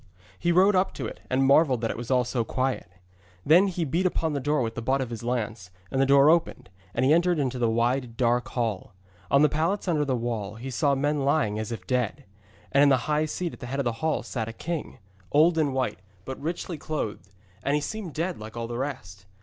He rode up to it, and marvelled that it was all so quiet. Then he beat upon the door with the butt of his lance, and the door opened, and he entered into the wide dark hall. On the pallets under the wall he saw men lying as if dead. And in the high seat at the head of the hall sat a king, old and white, but richly clothed, and he seemed dead like all the rest.